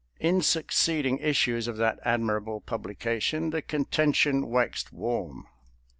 In succeeding is sues of that admirable publication the conten tion waxed warm.